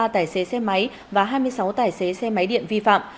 bốn chín trăm sáu mươi ba tài xế xe máy và hai mươi sáu tài xế xe máy điện vi phạm